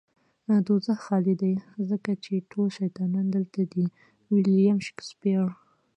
دوزخ خالی دی ځکه چې ټول شيطانان دلته دي. ويلييم شکسپير